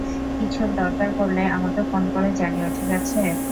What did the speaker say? কিছুর দরকার পড়লে আমাকে ফোন করে জানিও, ঠিক আছে?